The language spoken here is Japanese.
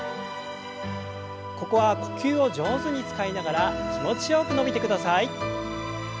ここは呼吸を上手に使いながら気持ちよく伸びてください。